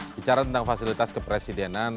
bicara tentang fasilitas kepresidenan